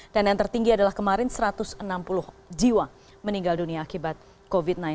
yang tertinggi adalah kemarin satu ratus enam puluh jiwa meninggal dunia akibat covid sembilan belas